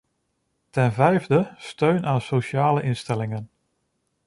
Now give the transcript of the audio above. Ten vijfde: steun aan sociale instellingen.